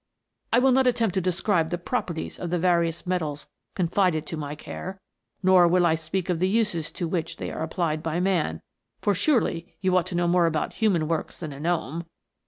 "I will not attempt to describe the properties of the various metals confided to my care, nor will 270 THE GNOMES. I speak of the uses to which, they are applied by man, for surely you ought to know more about human works than a gnome.